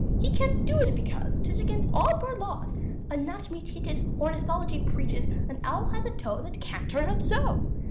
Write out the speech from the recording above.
He can't do it, because 'Tis against all bird laws. Anatomy teaches, Ornithology preaches, An owl has a toe That can't turn out so!